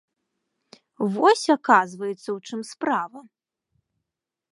Вось, аказваецца, у чым справа!